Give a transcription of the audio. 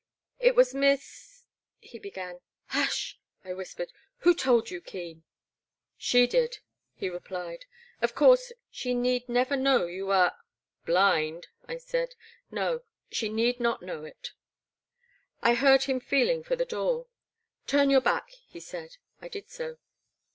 It was Miss he began. *' Hush !'' I whispered. '* Who told you, Keen?*' She did," he replied. *' Of course, she need never know you are 'Blind," I said, —No, she need not know it." I heard him feeling for the door. Turn your back," he said. I did so.